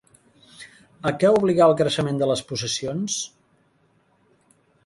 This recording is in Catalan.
A què obligà el creixement de les possessions?